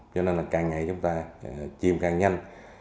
cho nên là càng ngày chúng ta chìm càng nhanh